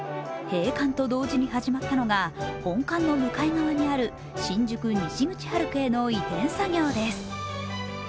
閉館と同時に始まったのが本館の向かい側にある新宿西口ハルクへの移転作業です。